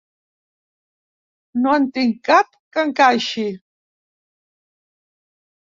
No en tinc cap que encaixi.